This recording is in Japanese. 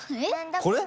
これ？